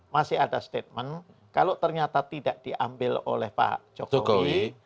masih ada statement kalau ternyata tidak diambil oleh pak jokowi